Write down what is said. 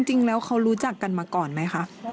จริงแล้วเขารู้จักกันมาก่อนไหมคะ